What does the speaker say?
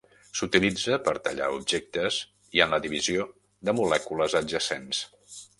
S'utilitza per tallar objectes i en la divisió de molècules adjacents.